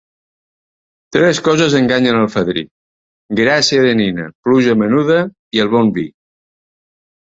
Tres coses enganyen el fadrí: gràcia de nina, pluja menuda i el bon vi.